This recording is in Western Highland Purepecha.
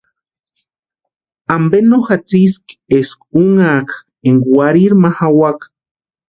¿Ampe no jatsiski eska únhaka énka warhiri ma jawaka?